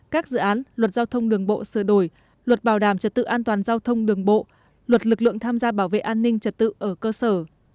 các dự án luật giao thông đường bộ sửa đổi luật bảo đảm trật tự an toàn giao thông đường bộ luật lực lượng tham gia bảo vệ an ninh trật tự ở cơ sở